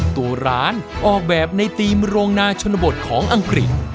ตัวร้านออกแบบในธีมโรงนาชนบทของอังกฤษ